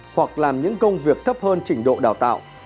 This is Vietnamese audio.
hoặc làm những công việc thấp hơn trình độ đào tạo